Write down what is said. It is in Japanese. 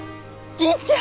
銀ちゃん